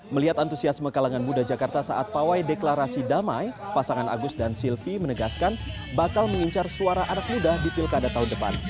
melihat antusiasme kalangan muda jakarta saat pawai deklarasi damai pasangan agus dan silvi menegaskan bakal mengincar suara anak muda di pilkada tahun depan